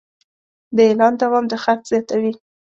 د اعلان دوام د خرڅ زیاتوي.